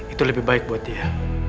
itu lebih baik buat dia